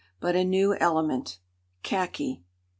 But a new element khaki.